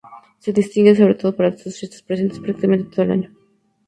Se distingue sobre todo por sus fiestas; presentes prácticamente todo el año.